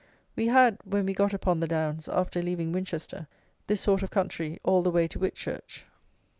We had, when we got upon the downs, after leaving Winchester, this sort of country all the way to Whitchurch.